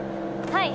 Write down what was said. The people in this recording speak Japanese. はい。